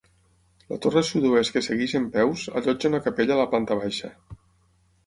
La torre sud-oest que segueix en peus, allotja una capella a la planta baixa.